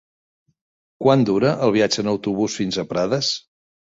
Quant dura el viatge en autobús fins a Prades?